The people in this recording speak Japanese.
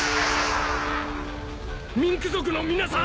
ミンク族の皆さん！